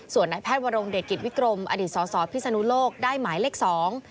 ส่วนนายแพทย์วรงเดชกิจวิกรมอดีตสอสอพิศนุโลกได้หมายเลขสอง